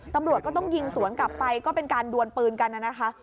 ตำรวจก็ต้องยิงสวนกลับไปก็เป็นการดวนปืนกันนะคะ